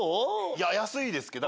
いや安いですけど。